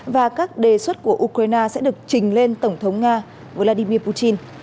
và các đề xuất của ukraine sẽ được trình lên tổng thống nga vladimir putin